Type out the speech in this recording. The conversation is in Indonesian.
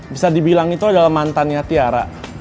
bisa dibilang itu adalah mantannya tiara